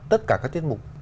tất cả các tiết mục